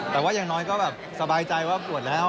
แต่ว่าอย่างน้อยก็แบบสบายใจว่าปวดแล้ว